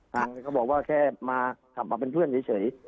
เขาบอกว่าแค่มาขับมาเป็นเพื่อนเฉย